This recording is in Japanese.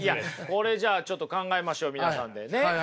これじゃあちょっと考えましょう皆さんで。ね。